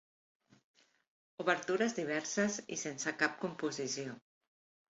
Obertures diverses i sense cap composició.